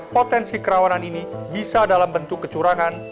potensi kerawanan ini bisa dalam bentuk kecurangan